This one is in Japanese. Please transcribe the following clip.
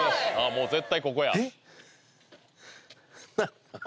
もう絶対ここやえっ？